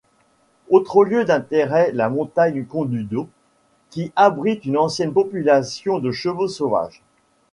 Autre lieu d'intérêt la montagne Kondudo, qui abrite une ancienne population de chevaux sauvages.